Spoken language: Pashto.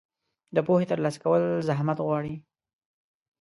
د پوهې ترلاسه کول زحمت غواړي.